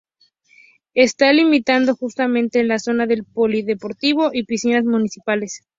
Esta limitado justamente en la zona del polideportivo y piscinas municipales.